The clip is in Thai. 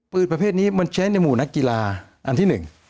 ประเภทนี้มันใช้ในหมู่นักกีฬาอันที่หนึ่ง